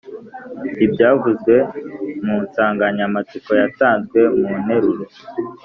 ibyavuzwe mu nsanganyamatsiko yatanzwe mu nteruro.